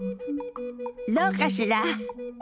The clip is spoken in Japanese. どうかしら？